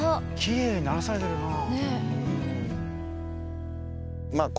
きれいにならされてるな。